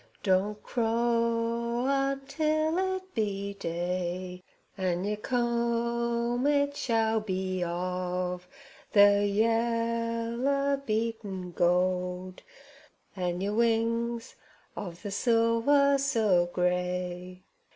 Don't crow until it be day. An' yer comb it shall be of the yeller beaten gold. An' yer wings of the silver so grey.